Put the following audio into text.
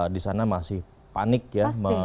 disana masih panik ya